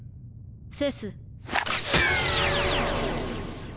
セス。